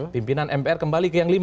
pimpinan mpr kembali ke yang lima